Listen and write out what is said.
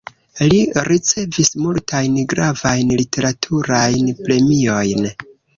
Li ricevis multajn gravajn literaturajn premiojn.